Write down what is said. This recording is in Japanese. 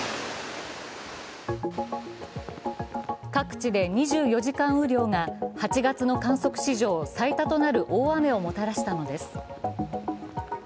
各地で２４時間雨量が８月の観測史上最多となる大雨をもたらしたのです。